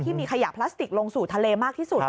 มีขยะพลาสติกลงสู่ทะเลมากที่สุด